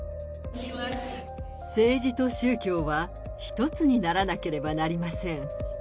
政治と宗教は一つにならなければなりません。